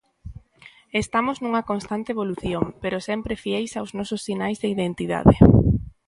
Estamos nunha constante evolución, pero sempre fieis aos nosos sinais de identidade.